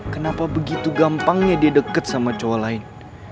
kenapa begitu gampangnya dia deket sama cowok lain